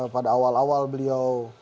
pada awal awal beliau